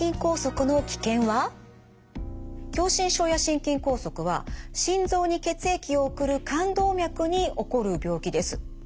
狭心症や心筋梗塞は心臓に血液を送る冠動脈に起こる病気です。